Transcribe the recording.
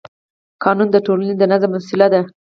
قانون د ټولنې د نظم وسیله ده